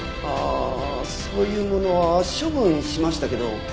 ああそういうものは処分しましたけど。